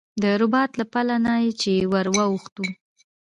د رباط له پله نه چې ور واوښتو.